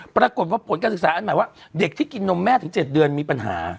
ปรากฏว่าผลการศึกษาอันหมายว่าเด็กที่กินนมแม่ถึง๗เดือนมีปัญหา